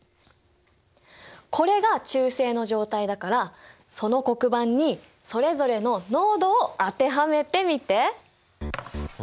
これが中性の状態だからその黒板にそれぞれの濃度を当てはめてみて。